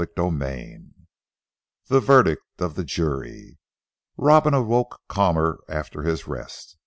CHAPTER III THE VERDICT OF THE JURY Robin woke calmer after his rest.